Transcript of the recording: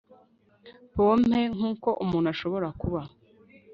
pompe nkuko umuntu ashobora kuba